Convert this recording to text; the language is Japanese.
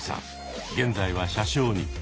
現在は車掌に。